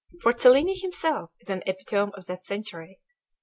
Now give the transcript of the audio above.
For Cellini himself is an epitome of that century.